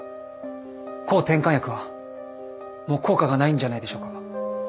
抗てんかん薬はもう効果がないんじゃないでしょうか？